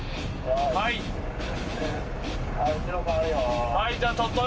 「はい後ろ変わるよ」